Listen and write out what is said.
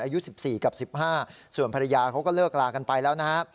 อายุสิบสี่กับสิบห้าส่วนภรรยาเขาก็เลิกกลากันไปแล้วนะฮะ